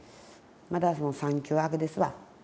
まだ産休明けですわ。